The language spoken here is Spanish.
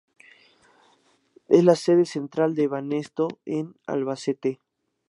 Es la sede central de Banesto en Albacete.